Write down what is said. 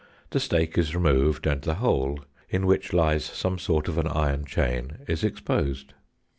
The stake is removed, and the hole, in which lies some sort of an iron chain, is exposed.